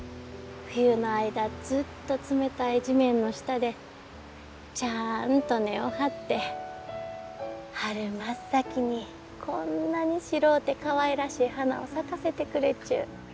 冬の間ずっと冷たい地面の下でちゃあんと根を張って春真っ先にこんなに白うてかわいらしい花を咲かせてくれちゅう。